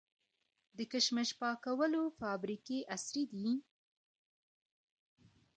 د کشمش پاکولو فابریکې عصري دي؟